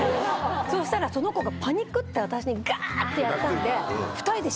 そしたらその子がパニクって私にガってやったんで。